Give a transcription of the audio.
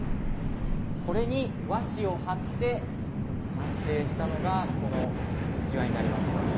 これに和紙を貼って完成したのがうちわになります。